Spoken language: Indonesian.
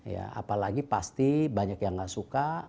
ya apalagi pasti banyak yang gak suka